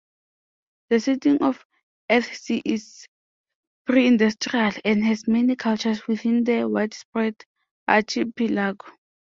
The setting of Earthsea is preindustrial, and has many cultures within the widespread archipelago.